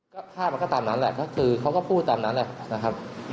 ก็ภาพมันก็ตามนั้นแหละก็คือเขาก็พูดตามนั้นแหละนะครับ